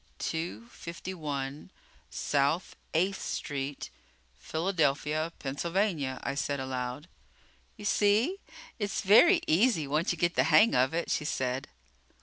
"Two fifty one South Eighth Street, Philadelphia, Pennsylvania," I said aloud. "You see, it's very easy once you get the hang of it," she said.